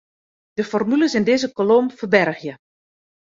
De formules yn dizze kolom ferbergje.